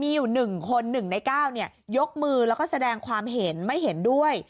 มีอยู่๑คน๑ใน๙ยกมือแล้วก็แสดงความเห็นไม่เห็นด้วย